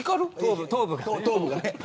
頭部がね。